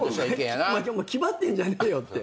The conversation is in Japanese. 「気張ってんじゃねえよ」って。